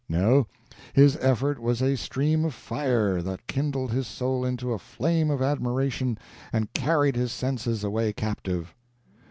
No, his effort was a stream of fire, that kindled his soul into a flame of admiration, and carried his senses away captive.